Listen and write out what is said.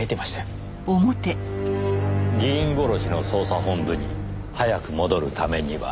議員殺しの捜査本部に早く戻るためには。